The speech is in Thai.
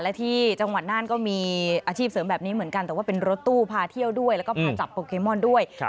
และที่จังหวัดน่านก็มีอาชีพเสริมแบบนี้เหมือนกันแต่ว่าเป็นรถตู้พาเที่ยวด้วยแล้วก็พาจับโปเกมอนด้วย